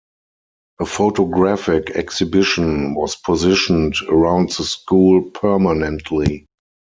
A photographic exhibition was positioned around the school permanently.